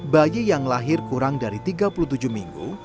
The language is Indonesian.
bayi yang lahir kurang dari tiga puluh tujuh minggu